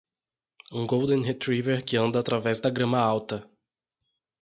Um golden retriever que anda através da grama alta.